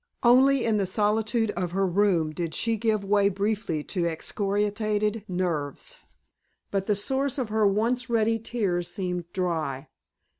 Only in the solitude of her room did she give way briefly to excoriated nerves; but the source of her once ready tears seemed dry.